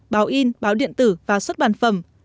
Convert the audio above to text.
báo in báo điện tử và xuất báo